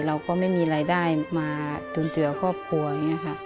เราก็ไม่มีรายได้มาจุนเจือครอบครัวอย่างนี้ค่ะ